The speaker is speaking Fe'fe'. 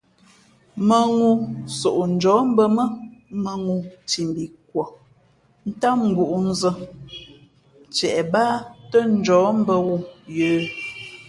Mᾱŋū soʼnjαά mbᾱ mά mᾱŋū nthimbhi kwα̌ ntám ngǔʼnzᾱ ntiep báá tά njαᾱ mbᾱ wū yə̌.